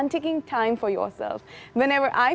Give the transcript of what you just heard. ketika saya merasa terlalu terlalu terang